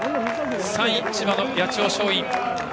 ３位、千葉の八千代松陰。